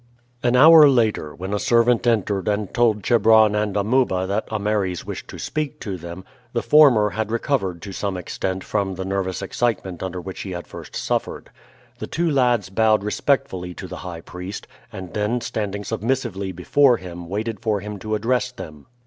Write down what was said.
An hour later, when a servant entered and told Chebron and Amuba that Ameres wished to speak to them, the former had recovered to some extent from the nervous excitement under which he had first suffered. The two lads bowed respectfully to the high priest, and then standing submissively before him waited for him to address them.